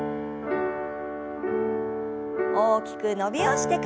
大きく伸びをしてから。